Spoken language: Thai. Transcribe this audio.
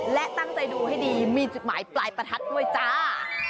และตั้งใจดูให้ดีมีจุดหมายปลายประทัดด้วยจ้า